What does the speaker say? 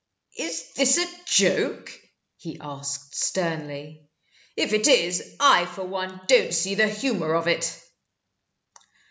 "Is this a joke?" he asked, sternly. "If it is, I for one don't see the humor of it."